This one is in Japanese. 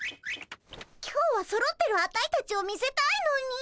今日はそろってるアタイたちを見せたいのに。